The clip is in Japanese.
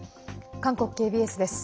韓国ＫＢＳです。